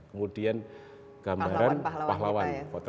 kemudian gambaran pahlawan